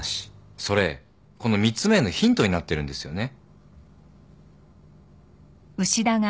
それこの３つ目のヒントになってるんですよね？